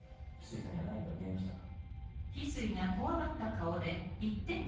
翡翠さんには何か見えましたか？